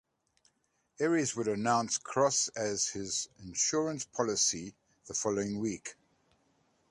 Aries would announce Kross as his "insurance policy" the following week.